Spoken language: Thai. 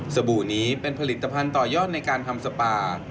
บู่นี้เป็นผลิตภัณฑ์ต่อยอดในการทำสปา